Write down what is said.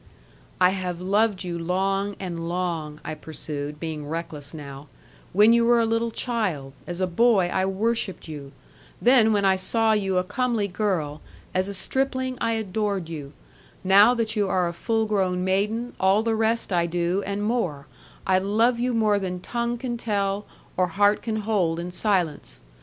'I have loved you long and long,' I pursued, being reckless now, 'when you were a little child, as a boy I worshipped you: then when I saw you a comely girl, as a stripling I adored you: now that you are a full grown maiden all the rest I do, and more I love you more than tongue can tell, or heart can hold in silence.